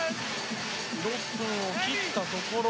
６分を切ったところ。